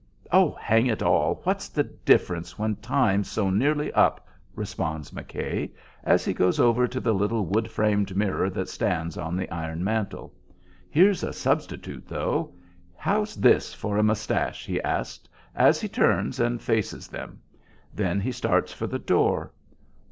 "Oh, hang it all! What's the difference when time's so nearly up?" responds McKay, as he goes over to the little wood framed mirror that stands on the iron mantel. "Here's a substitute, though! How's this for a moustache?" he asks, as he turns and faces them. Then he starts for the door.